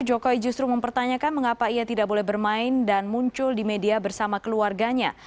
jokowi justru mempertanyakan mengapa ia tidak boleh bermain dan muncul di media bersama keluarganya